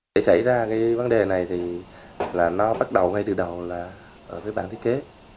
để xảy ra cái vấn đề này thì nó bắt đầu ngay từ đầu là với bản thiết kế